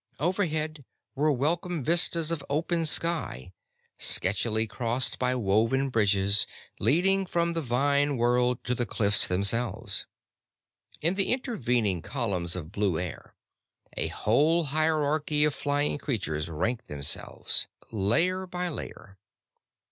Overhead were welcome vistas of open sky, sketchily crossed by woven bridges leading from the vine world to the cliffs themselves. In the intervening columns of blue air a whole hierarchy of flying creatures ranked themselves, layer by layer.